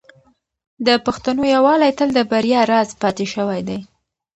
د پښتنو یووالی تل د بریا راز پاتې شوی دی.